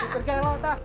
beritanya lo teh